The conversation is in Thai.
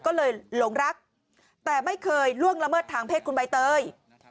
ก็เลยหลงรักแต่ไม่เคยล่วงละเมิดทางเพศคุณใบเตย